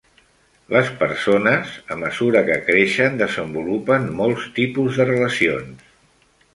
Les persones, a mesura que creixen, desenvolupen molts tipus de relacions.